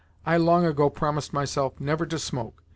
I long ago promised myself never to smoke.